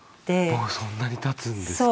もうそんなに経つんですか。